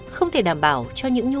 không thể đảm bảo cho những nhu cầu